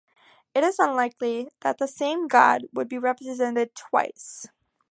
It is unlikely that the same god would be represented twice.